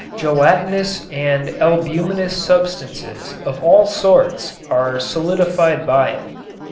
Gelatinous and albuminous substances of all sorts are solidified by it.